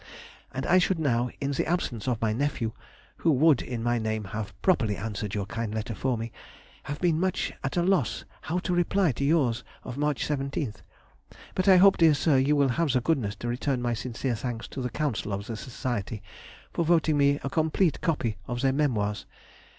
And I should now in the absence of my nephew (who would in my name have properly answered your kind letter for me) been much at a loss how to reply to yours of March 17. But I hope, dear Sir, you will have the goodness to return my sincere thanks to the Council of the Society for voting me a complete copy of their Memoirs.